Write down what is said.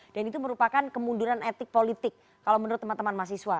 dan itu merupakan kemunduran etik politik kalau menurut teman teman mahasiswa